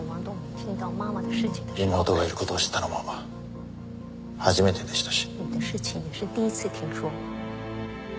妹がいる事を知ったのも初めてでしたし。